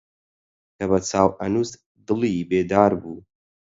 کە بە چاو ئەنووست دڵی بێدار بوو